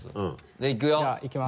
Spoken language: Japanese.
じゃあいきます。